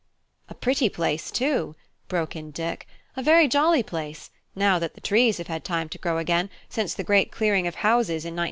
"A pretty place, too," broke in Dick; "a very jolly place, now that the trees have had time to grow again since the great clearing of houses in 1955."